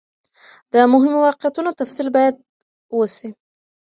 د مهمو واقعیتونو تفصیل باید وسي.